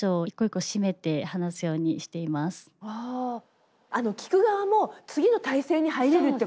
聞く側も次の態勢に入れるってことなんですね。